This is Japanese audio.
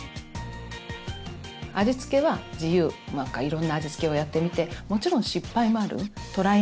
味つけは自由いろんな味つけをやってみてもちろん失敗もあるトライ